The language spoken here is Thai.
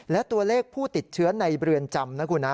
และตัวเลขผู้ติดเชื้อในเรือนจำ